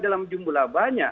dalam jumlah banyak